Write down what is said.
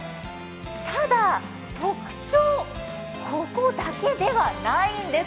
ただ、特徴、ここだけではないんです。